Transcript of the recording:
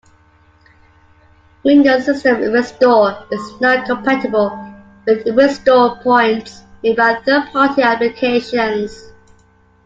Windows System Restore is not compatible with restore points made by third party applications.